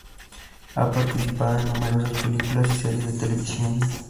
Ha participado en numerosas películas y series de televisión